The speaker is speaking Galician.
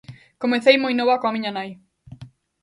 Comecei moi nova coa miña nai.